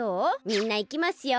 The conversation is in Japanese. みんないきますよ。